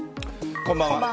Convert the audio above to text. こんばんは。